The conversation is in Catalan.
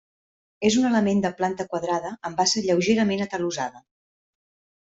És un element de planta quadrada, amb base lleugerament atalussada.